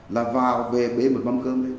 là vào về bế một mâm cơm đi